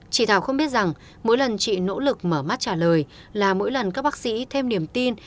chị thảo không biết rằng mỗi lần chị nỗ lực mở mắt trả lời là mỗi lần các bác sĩ thêm niềm tin